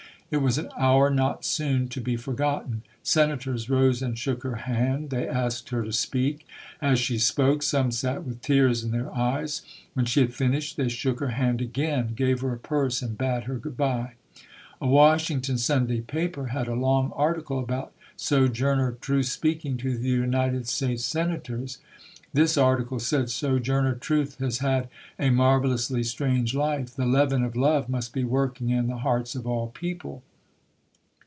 It was an hour not soon to be forgotten. Senators rose and shook her hand. They asked her to speak. As she spoke, some sat with tears in their eyes. When she had finished they shook her hand again, gave her a purse and bade her good bye. A Wash ington Sunday paper had a long article about Sojourner Truth's speaking to the United States Senators. This article said: "Sojourner Truth has had a marvelously strange life. The leaven of love must be working in the hearts of all people".